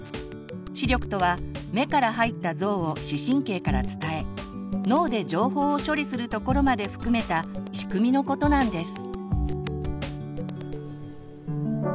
「視力」とは目から入った像を視神経から伝え脳で情報を処理するところまで含めた仕組みのことなんです。